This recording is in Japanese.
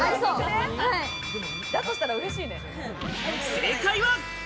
正解は。